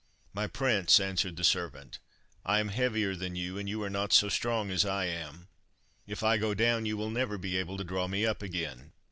"My prince," answered the servant, "I am heavier than you, and you are not so strong as I am. If I go down you will never be able to draw me up again.